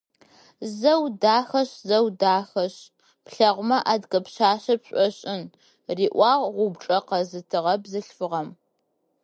«Зэу дахэшъ, зэу дахэшъ, плъэгъумэ - адыгэ пшъашъэ пшӏошӏын», - риӏуагъ упчӏэ къэзытыгъэ бзылъфыгъэм.